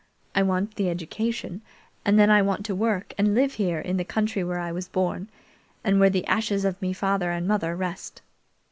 I want the education, and then I want to work and live here in the country where I was born, and where the ashes of me father and mother rest.